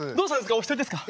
お一人ですか？